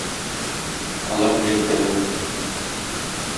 Алар элек тә булды.